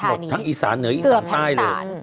ทั้งอีสานเหนืออีสานใต้เลย